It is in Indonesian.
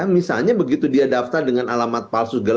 misalnya begitu dia daftar dengan alamat palsu